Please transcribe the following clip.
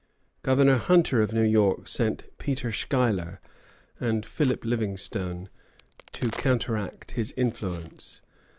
Governor Hunter of New York sent Peter Schuyler and Philip Livingston to counteract his influence.